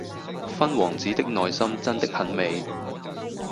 勳王子的內心真的很美